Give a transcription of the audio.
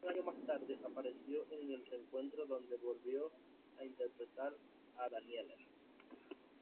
Un año más tarde apareció en el reencuentro donde volvió a interpretar a Danielle.